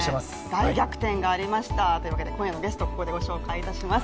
大逆転がありますということで今夜のゲストここでご紹介いたします。